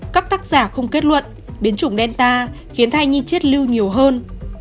các tác giả không kết luận biến chủng delta khiến thai nhi chết lưu nhiều hơn